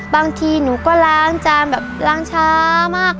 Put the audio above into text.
บางทีหนูก็ล้างจานแบบล้างช้ามาก